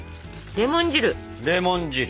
レモン汁。